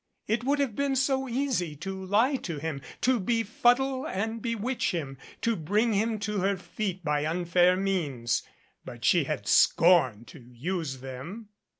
It would have been so easy to lie to him, to be fuddle and bewitch him, to bring him to her feet by unfair means. But she had scorned to use them.